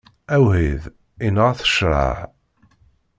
Awḥid, inɣa-t ccṛaɛ.